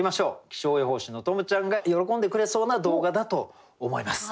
気象予報士の十夢ちゃんが喜んでくれそうな動画だと思います。